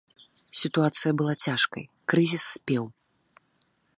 Сітуацыя была цяжкай, крызіс спеў.